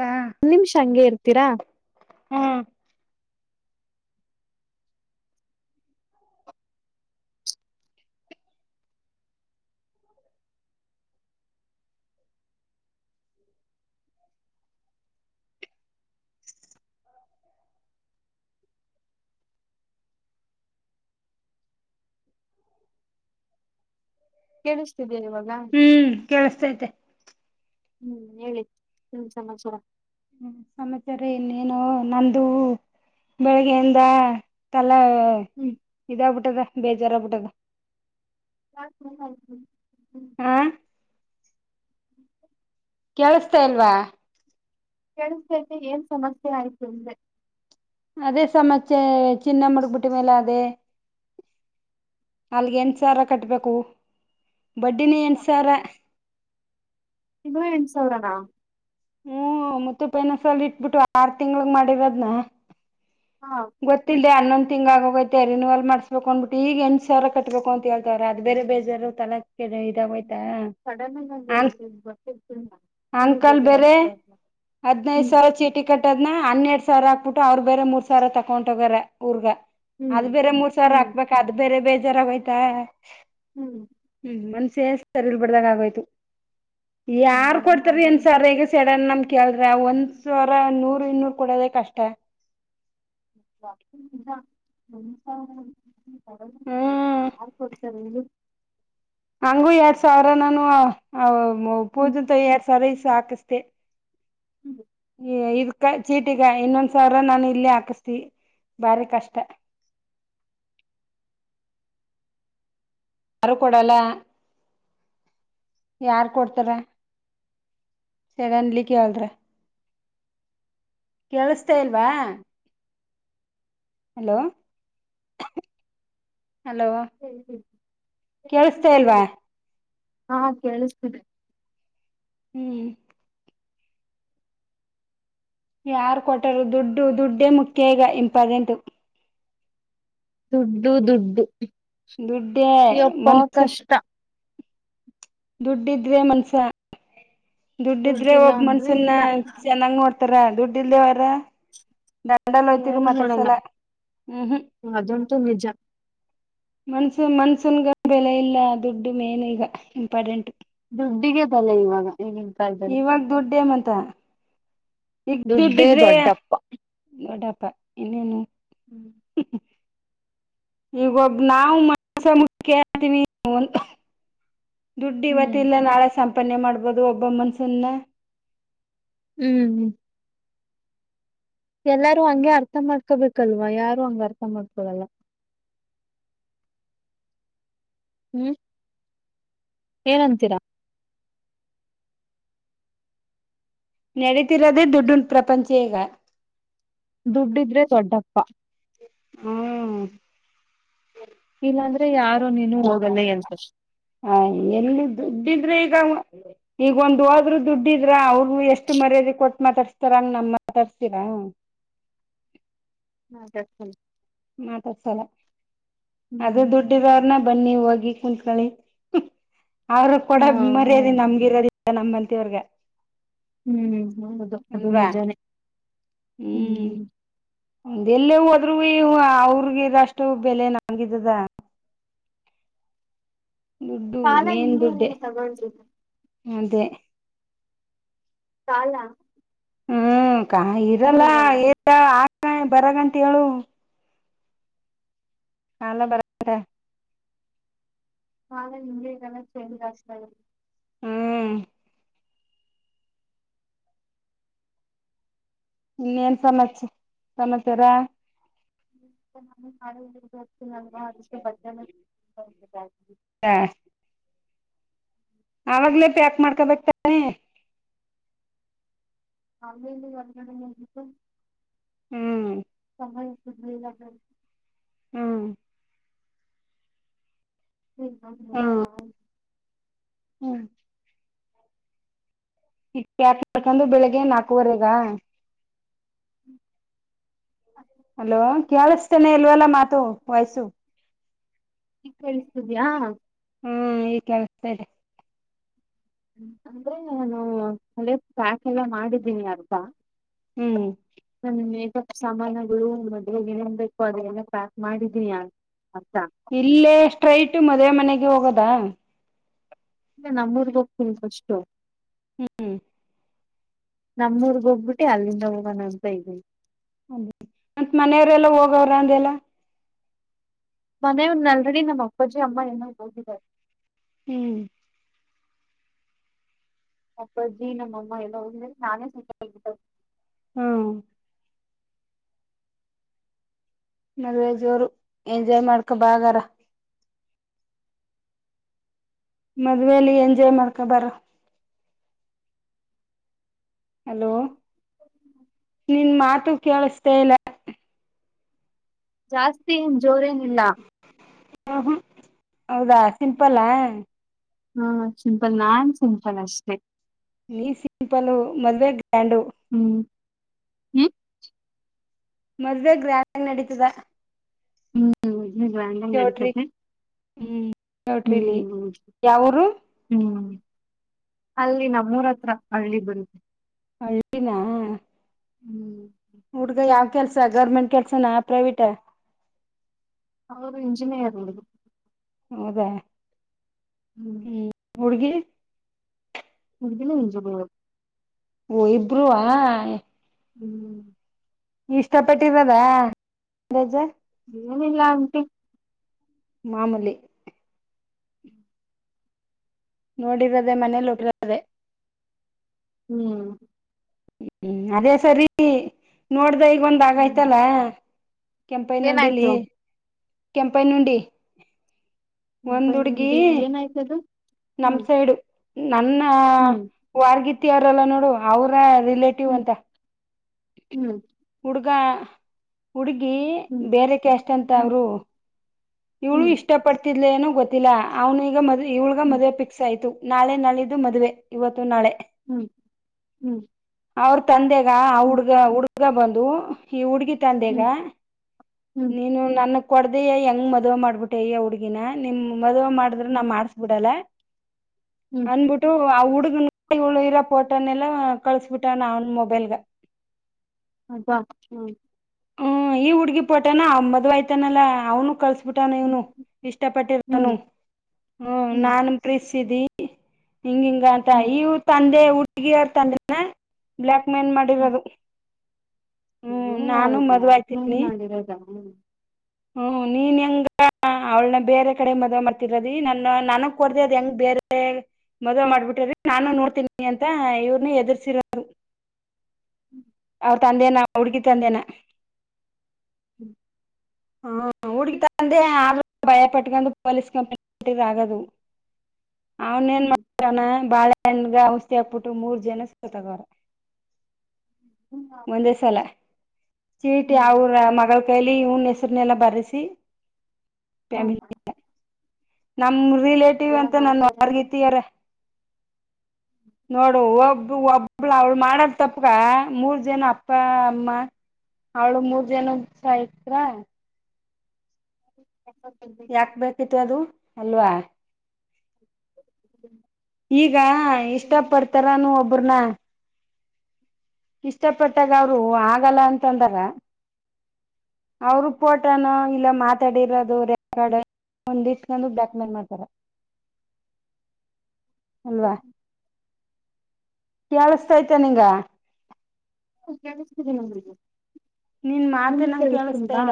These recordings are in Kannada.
ತಾ ಒನ್ ನಿಮಷ ಹಂಗೆ ಇರ್ತೀರಾ. ಹಾ [inaudible] ಕೇಳಿಸ್ತಿದ್ಯಾ ಇವಾಗ ಹ್ಮ್ ಕೇಳಸ್ತೈತೆ. ಹ್ಮ್ ಹೇಳಿ ಏನ್ ಸಮಾಚಾರ. ಹ್ಮ ಸಮಾಚಾರ ಇನ್ನೇನು ನಂದು ಬೆಳಗ್ಗೆ ಯಿಂದ ತ. ಒಳ್ಳೆ ಹ್ಮ್ ಇದಾಗ್ ಬಿಟ್ಟದ. ಬೇಜಾರ್ ಆಗ್ಬಟದ. ಹ [unintelligible] [inaudible] ಕೇಳಸ್ತಾ ಇಲ್ವಾ ಕೇಳಿಸ್ತೈತೆ ಏನ್ ಸಮಸ್ಯೆ ಆಯ್ತು ಅಂದೆ. ಅದೇ ಸಮಚೆ ಚಿನ್ನ ಮುಡ್ಗ್ಬಿಟ್ ಮೇಲ ಅದೇ ಅಲ್ಲಿಗೆ ಎಂಟ್ ಸಾವಿರ ಕಟ್ಬೇಕು. ಬಡ್ಡಿನೆ ಎಂಟ್ ಸಾವರ. ಇನ್ನು ಎಂಟು ಸಾವರನಾ. ಹ್ಮ್ ಮುತ್ತು ಪೈನಸಲ್ ಇಟ್ಬಿಟ್ಟು ಆರ್ ತಿಂಗ್ಳು ಮಾಡಿರದ್ನ. ಹಾ ಗೊತ್ತಿಲ್ದೆ ಅನ್ನೊಂದು ತಿಂಗ್ಳ್ ಆಗೋಗೈತೆ ರಿನಿವಲ್ ಮಾಡಸ್ಬೇಕು ಅನ್ಬುಟ್ಟೀಗ್ ಈಗ್ ಎಂಟ್ ಸಾವಿರ ಕಟ್ಬೇಕು ಅಂತೇಳ್ತವ್ರೆ ಅದು ಬೇರೆ ಬೇಜಾರು ತಲೆ. ಗೆದೆ ಇದಾಗೊಯ್ತಾ ಸಡನ್ ಆಗಿ ಹಂಗ್ ಆಂ ಹೇಳಿದ್ರೆ ಗೊತ್ತಿರ್ತಿಲ್ಲ ಸುಮ್ನೆ ಅಂಕಲ್ ಬೇರೆ ಬೇಜಾರಾಗುತ್ತೆ ಅಲ್ವಾ ಹದ್ನೈದು ಹ್ಮ್ ಸಾವಿರ ಚೀಟಿ ಕಟ್ಟದ್ನ ಹನ್ನೆರಡ್ ಸಾವಿರ ಹಾಕ್ ಬುಟ್. ಟು ಅವ್ರು ಬೇರೆ ಮೂರ್ ಸಾವ್. ಸರ ತಕ್ಕೊಂಟ್ ಹೋಟೊಗರೇ ಊರ್ಗಾ. ಹ್ಮ್ ಅದ್ ಬೇರೆ ಮೂರ್ ಸಾವಿರ ಹ್ಮ್ ಹಾಕ್ಬೇಕ ಅದು ಬೇರೆ ಬೇಜ್. ಜರಾಗೊಯಿತ ಹ್ಮ್ ಹ್ಮ್ ಮನ್ ಸೇಲ್ಸ್ ಸರಿಲ್ಬಡ್ದಗ ಆಗೋಯ್ತು. ಯಾರ್ ಇನ್ನೇನ್ ಕೊಡ್ತಾರ್ ಏನ್ ಆಗಲ್ಲ ಸರ್ ಈಗ ಸ ನನ್ನನ್ ಕೇಳಿದ್ರ ಒಂದ್ ಸಾವ್ರ ನೂರು ಇನ್ನೂರ್ ಕೊಡೋದೇ ಕಷ್ಟ. [unintelligible] [unintelligible] ಹ್ಮ್ [unintelligible] ಹಂಗು ಎರಡ್ ಸಾವ್ರ ನಾನು ಆ ಅವ್ ಮ ಹ್ಮ್ ಪೂಜುಂತಾವ್ ಎರಡ್ಸಾವ್ರ ಇಸ್ ತಾಕಸ್ದೆ. [inaudible] ಈ ಇದ್ಕ ಚೀಟಿಗ ಇನ್ನೊಂದ್ ಸಾವ್ರರ ನಾನು ಇಲ್ಲೇ ಹಾಕಸ್ದಿ ಬಾರಿ ಕಷ್ಟ. ರು ಕೊಡಲ್ಲ. ಯಾರ್ ಕೊಡ್ತಾರೆ? ಸಡನ್ಲಿ ಕೇಳ್ದ್ರೆ. ಕೇಳಸ್ತಾ ಇಲ್ವಾ. ಹಲೋ ಹಲೋ ಹೇಳಿ ಕೇಳಸ್ತಾ ಕೇಳಿಸ್ತಿದೆ ಇಲ್ವಾ. ಹೇಳಿ ಹಾ ಕೇಳಿಸ್ತಿದೆ. ಹ್ಮ್ ಯಾರ್ ಕೊಟ್ಟಾರು? ದುಡ್ಡು ದುಡ್ಡೇ ಮುಖ್ಯ ಈಗ ಇಂಪಾರ್ಟೆಂಟು. ದುಡ್ಡು ದುಡ್ಡು. ದುಡ್ಡೆ ಯಪ್ಪಾ ಮನ್ಸು ಕಷ್ಟ ದುಡ್ಡಿದ್ರೆ ಮನ್ಸ. ದುಡ್ಡಿದ್ರೆ ದುಡ್ಡಿಲ್ಲ ಒಬ್ ಅಂದ್ರೆ ಮನ್ಸನ್ನ ಇಲ್ಲ ಚೆನ್ನಾಗ್ ನೋಡ್ತಾರ ದುಡ್ ದಿಲ್ದೇವರ ಡ ಡಲ್ ಹೋಯ್ತಿರು ಯಾರು ನೋಡಲ್ಲ ಮಾತಾಡ್ಸಲ್ಲ ಹ್ಮ್ ಹ್ಮ್. ಅದಂತೂ ನಿಜ ಮನ್ಸನ್ ಮನ್ಸನ್ಗ ಬೆಲೆ ಇಲ್ಲ ದುಡ್ಡು ಮೇನ್ ಈಗ ಇಂಪಾರ್ಟೆಂಟು. ದುಡ್ಡಿಗೆ ಬೆಲೆ ಇವಾಗ. ಈಗಿನ ಕಾಲದಲ್ಲಿ ಇವಾಗ್ ದುಡ್ಡೇ ಮಂತ. ಈಗ್ ದುಡ್ಡೇ ದುಡ್ಡಿದ್ರೇ ದೊಡ್ಡಪ್ಪ ದೊಡಪ್ ಪ್ಪ ಇನ್ನೇನು. ಹುಂ. ಈಗ್ ಒಬ್ ನಾವು ಮನ್ಸ ಮುಖ್ಯ ಅಂತಿವಿ ಒನ್ ಹ್ಮ್ ದುಡ್ಡಿವತ್ತಿಲ್ಲಾ ನಾಳೆ ಸಂಪ್ ಪನೆ ಮಾಡ್ಬೋದು ಒಬ್ಬ ಮನ್ಸನ್ನ. ಹ್ಮ್ ಹ್ಮ್ ಎಲ್ಲಾರೂ ಹಂಗೆ ಅರ್ಥ ಮಾಡ್ಕೊಬೇಕಲ್ವಾ ಯಾರು ಹಂಗ್ ಅರ್ಥ ಮಾಡ್ಕೊಳಲ್ಲ. ಹ್ಮ್ ಏನಂತೀರಾ? ನೆಡೀತಿರೋದೇ ದುಡ್ಡಿನ್ ಪ್ರಪಂಚ ಈಗ. ದುಡ್ಡಿದ್ರೆ ದೊಡ್ಡಪ್ಪ. ಹಾಂ ಇಲ್ಲಾಂದ್ರೆ ಯಾರು ನೀನು ಹೋಗಲ್ಲೆ ಅನ್ಸ್ ಹ ಎಲ್ಲಿ ದುಡ್ಡಿದ್ರೆ ಈಗ ಈಗ ಒಂದ್ ಹೋದ್ರೂ ದುಡ್ಡಿದ್ರ ಅವ್ರುಗು ಎಷ್ಟ್ ಮರ್ಯಾದೆ ಕೊಟ್ ಮಾತಾಡ್ಸ್ತಾರಂಗ ನಮ್ ಮಾತಾಡ್ಸೀರ? ಹ [unintelligible] ಮಾತಾಡ್ಸಲ ಅದೆ ಹ್ಮ್ ದುಡ್ಡಿರೊರ್ನ ಬನ್ನಿ ಹೋಗಿ ಕುಂತ್ಕಳಿ ಅವ್ರಗ್ ಕೂಡ ಹಾ ಮರ್ಯಾದೆ ಹೌದು ನಮ್ಗಿರೋದಿ ತೆ ನಮ್ಮಂತೆವ್ರಿಗೆ. ಹ್ಮ್ ಹ್ಮ [unintelligible] ಅದು ನಿಜನೆ ಹ್ಮ್. ಎಲ್ಲೆ ಹೋದ್ರೂವೆ ಇವು ಅವ್ರಗಿರಷ್ಟು ಬೆಲೆ ನಂಗಿದ್ದುದ. ದುಡ್ಡು ಕಾಲ ಮೇನ್ ಹಿಂಗೆ ದುಡ್ಡೆ ಇರಲ್ಲ ತಗೊಂಳ್ರಿ. ಅದೇ. ಕಾಲ ಹ್ಮ್ ಕಾ ಇರಲ್ಲ [unintelligible] [unintelligible] ಬರ ಗಂಟ್ ಹೇಳು. ಕಾಲ ಬರ [unintelligible] ಕಾಲ ಹಿಂಗೆ ಇರಲ್ಲ ಚೇಂಜ್ ಆಗ್ತಾ ಇರತ್ ಹ್ಮ್ ಇನ್ನೇನ್ ಸಮಾಚ್ ಸಮಾಚಾರ? [unintelligible] ನ ಅಷ್ಟು [unintelligible] [inaudible] ಹಾ ಆವಾಗ್ಲೇ ಪ್ಯಾಕ್ ಮಾಡ್ಕೊಬೇಕ್ ತಾನೆ? ಅಲ್ಲಿ ಇಲ್ಲಿ [unintelligible] ಹ್ಮ್ ಸಮಯ ಸಿಗ್ಲಿಲ್ಲ [unintelligible] ಹ್ಮ ಹ್ಮ್ [unintelligible] ಹ್ಮ್ [unintelligible] ತಕಂಡು ಬೆಳಿಗ್ಗೆ ನಾಕುವರೆಗ. [inaudible] ಹಲೋ ಕೇಳಿಸ್ತಾನೆ ಇಲ್ವಲ್ಲ ಮಾತು ವಾಯ್ಸು. ಈಗ್ ಕೇಳಸ್ತಿದ್ಯಾ. ಹ್ಮ ಈಗ್ ಕೇಳಸ್ತಾಯಿದೆ. ಅಂದ್ರೆ ನಾನು ಅಂದ್ರೆ ಪ್ಯಾಕ್ ಎಲ್ಲ ಮಾಡಿದ್ದೀನಿ ಅರ್ದ. ಹ್ಮ್ ನನ್ ಮೇಕಪ್ ಸಾಮಾನಗಳು ಮದ್ವೆಗೇನೇನ್ಬೇಕು ಅದೆಲ್ಲ ಪ್ಯಾಕ್ ಮಾಡಿದೀನಿ ಆ ಇಲ್ಲೇ ಸ್ಟ್ರೈಟ್ ಮ ದ್ವೆ ಮನೆಗೆ ಹೋಗೋದಾ? ಇಲ್ಲ ನಮ್ಮೂರ್ಗ್ ಹೋಗ್ತಿನ್ ಫಷ್ಟು. ಹ್ಮ್ ನಮ್ಮೂರ್ಗ್ ಹೋಗ್ಬಿಟ್ಟಿ ಅಲ್ಲಿಂದ ಹೋಗಣ ಅಂತ ಇದಿನಿ. ಅಲಿ ಮತ್ ಮನೆಯವರೆಲ್ಲ ಹೋಗವ್ರ ಅಂದ್ಯಾಲ್ಲ. ಮನೆಯವ್ರ್ ಆಲ್ರೆಡಿ ನಮ್ಮ್ ಅಪ್ಪಾಜಿ ಅಮ್ಮ ಏಲ್ಲ ಹೋಗಿದ್ದಾರೆ. ಹ್ಮ್ ನಮ್ಮಪ್ಪಾಜಿ ನಮ್ಮಮ್ಮ ಎಲ್ಲ ಹೋದ್ಮೇಲೆ ನಾನೇ ಸು [unintelligible] ಹ್ಮ ಮದ್ವೆ ಜೋರು ಎಂಜಾಯ್ ಮಾಡ್ಕೊ ಬಾ ಹಾಗರ. ಮದುವೇಲಿ ಎನ್ ಜಾಯ್ ಮಾಡ್ಕಬಾರೋ. ಹಲೋ ನಿನ್ ಮಾತು ಕೇಳಿಸ್ತಾ ಇಲ್ಲ. ಜಾಸ್ತಿ ಏನ್ ಜೋರೇನ್ ಇಲ್ಲ. ಹು ಹುಂ ಹೌದಾ ಸಿಂಪಲ್ಲಾ. ಹಾ ಸಿಂಪಲ್ ನಾನ್ ಸಿಂಪಲ್ ಅಷ್ಟೆ. ನೀ ಸಿಂಪಲ್ ಮದ್ವೆ ಗ್ರ್ಯಾಂಡು. ಹ್ಮ್ ಹ್ಮ ಮದ್ವೆ ಗ್ರ್ಯಾಂಡಾಗ್ ನಡೀತದೆ. ಹ್ಮ್ ಗ್ರ್ಯಾಂಡಾಗ್ ನಡಿತದೆ ಹ್ಮ್ ಚೌಟ್ರಿಲಿ ಹ್ಮ್ ಯಾವರು ಹ್ಮ್. ಅಲ್ಲಿ ನಮ್ಮೂರತ್ರ ಹಳ್ಳಿ ಬ [unintelligible] ಹಳ್ಳಿನಾ? ಹ್ಮ್ ಹುಡ್ಗ ಯಾವ್ ಕೆಲ್ಸ ಗೌರ್ಮೆಂಟ್ ಕೆಲ್ಸನಾ ಪ್ರೈವೇಟ? ಅವರು ಎಂಜಿನೀಯರ್ [unintelligible] ಹೌದಾ? ಹ್ಮ್ ಹುಡುಗಿ? ಹುಡ್ಗಿನು ಇಂಜಿನಿಯರ್. ಹೊ ಇಬ್ರುವಾ ಹ್ಮ್ ಇಷ್ಟ ಪಟ್ಟಿರದಾ ದೆಜ್ಜ? ಏನಿಲ್ಲ ಆಂಟಿ. ಮಾಮೂಲಿ. [inaudible] ನೋಡಿರದೆ ಮನೇಲ್ಲೋಗಿರದೆ. ಹ್ಮ್ ಹ್ಮ್ ಅದೇ ಸರಿ ನೋಡ್ ದೇ ಈಗೊಂದ್ ಹ್ಮ್ ಆಗಾಯ್ತಲ್ಲ. ಕೆಂಪೈನುಂಡಿಲ್ಲಿ ಏನಾಯ್ತು ಕೆಂಪೈನುಂಡಿ ಕೆಂಪಯ್ನುಂಡಿಲ್ ಏನಾಯ್ತದು? ನಮ್ಸೖಡು. ನನ್ನ ಹ್ಮ್ ವಾರ್ಗಿತ್ ತ್ತಿ ಅರಲ್ಲ ನೋಡು ಅವ್ರ ರಿಲೇಟಿವ್ ಹ್ಮ್ ಅಂತ. ಹ್ಮ್ ಗಾ ಹುಡುಗಿ ಹ್ಮ್ ಬೇರೆ ಕ್ಯಾಸ್ಟ್ ಅಂತ ಹ್ಮ್ ಅವರು. ಇವ್ಳು ಹ್ಮ್ ಇಷ್ಟ ಪಡ್ತಿದ್ ಲೇನೊ ಗೊತ್ತಿಲ್ಲ ಅವನೀಗ ಮದುವ್ ಇವ್ಳಗ ಹ್ಮ್ ಮದ್ವೆ ಫಿಕ್ಸ್ ಆಯ್ತು. ನಾಳೆ ನಾಳಿದ್ದು ಮದ್ವೆ ಇವತ್ತು ನಾಳೆ. ಹ್ಮ್ ಹ್ಮ್ ಅವ್ರ್ ತಂದೆ ಗ ಹಾ ಹ್ಮ್ ಹುಡ್ಗ ಹುಡ್ಗ ಬಂದ್ ದೊ ಈ ಹುಡ್ಗಿ ತಂದೆಗ ಹ್ಮ್ ಹ್ಮ್ ನೀನು ನನ್ನ ಕೊಡ್ದೆಯ ಹೆಂಗ್ ಮ್ ಮದ್ವೆ ಮಾಡ್ಬಿಟ್ಟೆ ಆ ಹುಡುಗಿನ ನಿಮ್ ಮದುವೆ ಮಾಡಿದ್ರೆ ಹ್ಮ್ ನಾ ಮಾಡಸ್ಬಿಡಲ್ಲ. ಹ್ಮ್ ಬಂದ ಬಿಟ್ಟು ಆ ಉ ಹುಡ್ಗಳು ಇರ ಪೋಟನೆೆಲ್ಲ ಕಳಸ್ಬಿಟ್ಟಾನ ಅವನ್ ಮೊಬೈಲ್ಗ. ಅದಾ ಹ್ಮ್. ಹ್ಮ್ ಈ ಹುಡ್ಗಿ ಪೋಟಾನ ಅ ಮದ್ವೆ ಆಯ್ತಾನಲ್ಲಾ ಅವ್ನು ಕಳ್ಸ. ಬುಟ ನೀವನು ಹ್ಮ್ ಹ್ಮ್ ಇಷ್ಟಪಟ್ಟಿರನು ಹ್ಮ ಹ್ಮ್ ನಾನ್ ಪ್ರೀಸಿದಿ. [inaudible] ಹಿಂಗ ಹಿಂಗ ಅಂತ ಹ್ಮ್ ಇವ ತಂದೆ ಊ ಟಿಗೆ ತಂಡನ್ನ ಬ್ಲಕ್. ಮೆನ್ ಮಾಡಿರೋದು. [inaudible] ಹ್ಮ್ ಹ ನಾನು ಹೌದು ಮದುವೆ ಬ್ಲಾಕ್ಮೇಲ್ ಮಾಡಿರೋದ. ಹ್ಮ ನೀನ್ ಹೆಂಗ ಅವ್ಳನ ಬೇರೆ ಕಡೆ ಮದ್ವೆ ಮಾಡ್ತಿರದಿ ನನ್ನ ನನಗ್ ಕೊರ್ದೆ ಅದ್ ಹೆಂಗ ಬೇರೆ ಮದ್ ಮಾಡ್ಬಿಟಿ ನಾನು ನೋಡ್ತೀನಿ ಅಂತ ಇವ್ರನು ಎದರ್ಸಿರೋರು. [inaudible] ಅವ್ರ ತಂದೆನ ಆ ಹುಡ್ಗಿ ತಂದೆನ. ಹ್ಮ್ ಹ ಹುಡ್ಗೀ ತಂದೆ ಆ ಭಯಪಟ್ಟಕೊಂಡು ಪಲಸ್ ಕಂಪ್ಂಟ್ಟ್ ತಾಗದು. ಅವನ್ ಏನ್ ಹ್ಮ್ ಮಾಡ್ತಾನ. ಬಾಳಣಗ ಔಷಿ ಹಾಕ್ಬಿಟ್ಟು ಮೂರ್ ಜನ ಸತ್ತಗ್ವಾರೇ. ಹ್ಮ್ ಒಂದೇ ಸಲ ಚೀಟಿ ಅವ್ರ ಮಗ್. [unintelligible] [unintelligible] ಹ್ಮ್ ಫ್ಯಾಮಿಲಿ. ನಮ್ ರಿಲೇಟಿವ್ ಹಂಗೆಲ್ಲ ಅಂತ ನನ್ ಮಾಡ್ತಾರ ವರ್ಗತಿಯಾರ. ನೋಡು ಒಬ್ಬ ಒಬ್ಳ ಅವಳು ಮಾಡಾರ ತಪ್ಪಗ ಮೂರ್ ಜನ ಅಪ್ಪ ಅಮ್ಮ ಅವಳು ಮೂರ್ ಜನಸ ಸಾಯ್ತ್ರ. [inaudible] ಬೇಕಾ? ಯಾಕ್ ಬೇಕಿತಿ ಅದು. ಅಲ್ವಾ. ಈಗ ಇಷ್ಟ ಪಡ್ತಾರಾನ ಒಬ್ಬ. ಪೂರ್ಣ. ಇಷ್ಟ ಪಟ್ಟಾಗ ಅವರು ಆಗಲ್ಲ ಅಂತಂದಾಗ ಅವರು ಫೋಟನ ಇಲ್ಲ ಮಾತಾಡಿರೋದು ರೆಕಾರ್ಡ್ ಹೊಂದಿಟ್ಕೊಂಡು ಡ್ಯಾಕ್ಯುಮೆಂಟ್ ಮಾಡ್ತಾರ. ಅಲ್ವಾ. ಕೇಳಸ್ತತ ನಿಂಗ. [unintelligible] ನೀನ್ ಮಾತ ನಿಮಗ್ ನಂಗ ಕೇಳಿಸ್ತಿಲ್ವಾ ಕೇಳಿಸತಾರ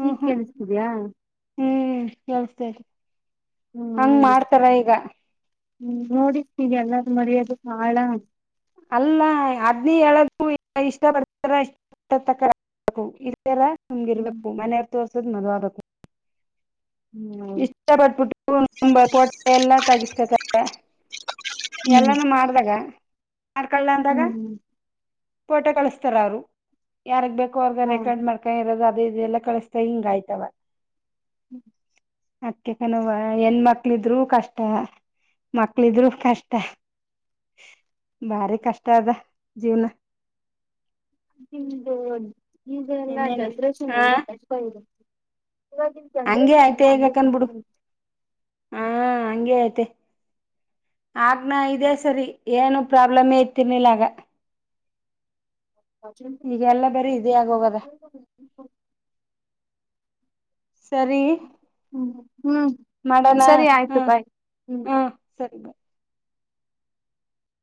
ಹ್ಮ ಈಗ್ ಹ್ಮ ಕೇಳಿಸ್ತಿದ್ಯಾ ಹ್ಮ್ ಕೇಳಸ್ತೇರ ಹ್ಮ್ ಹಂಗ ಹೇಳಿ ಮಾಡ್ತಾರ ಈಗ. ಹ್ಮ್ ನೋಡಿ ನೀಗೆ ಎಲ್ಲಾರು ಮರ್ಯದ ಬಾಳ. ಅಲ್ಲ ಅದ್ನಿ ಹೇಳದು ಇಷ್ಟ ಪಡ್ತಾರ [unintelligible] ರ ನಮ್ ಇರ್ಬೇಕ ಹ್ಮ್ ಮನವಾರ್ ತೋರ್ಸೋದು ಮದ್ವೇ ಅಬೇಕ್. [unintelligible] ಹ್ಮ್ ಇಷ್ಟ [unintelligible] ಎಲ್ಲಾ ತಗಸ್ಕತ. ಹಾ [unintelligible] ಹ್ಮ್ ಎಲ್ಲಾನೂ ಮಾಡ್ದಾಗ. [unintelligible] ಎಂದಾಗ ಹ್ಮ್ ಪೋಟೋ ಕಳಸ್ತಾರ ಅವರು ಯಾರಗ್ ಬೇಕು. ರ್ಗ ರೆಕಾರ್ಡ್ ಹೌದು ಮಾಡ್ಕೊಂಡ ಇರೋದ. ಅದೇ ಇದೆಲ್ಲ ಕಳಿಸಸ್ತಾ ಹಿಂಗ ಆಯ್ತವ. [inaudible] ಅಕ್ಕ ಕನವ ಹೆಣ ಮಕ್ಳಿದ್ರು ಕಷ್ಟ ಮಕ್ಳಿದ್ರರು ಕಷ್ಟ ಬಾರಿ ಕಷ್ಟ ಅದ ಜೀವ್ನ. [inaudible] ಈದೆಲ್ಲಾ ಇನ್ನೇನು ಜನ್ರೇಷನ್ ಹಾ ಅಂದ್ರ [unintelligible] ಇವವಾಗಿನ್ ಹಂಗೆ ಜನ್ರೇಷನ್ ಐತೆ ಎಲ್ಲಾ ಈಗ ಕನ್ಬಿಡು ಹಂಗಗೆತ. ಹಾ ಹಂಗೆ ಐತಿ ಆಗ್ನ ಇದೇ ಸರಿ ಏನು ಪ್ರಾಬ್ಲಮೇ ಇತಿರ್ನಿಲ್ಲ ಆಗ. ಈಗ ಎಲ್ಲ ಬರೀ ಇದೇ ಆಗೋಗದ. ಸರಿ ಹ್ಮ್ ಹ್ಮ್ ಮಾಡೋಣ ಸರಿ ಹಾ ಆಯ್ತು ಬಾಯ್ ಹ್ಮ್ ಹಾ ಸರಿ ಬೈ.